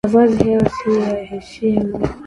Mavazi hayo sio ya heshima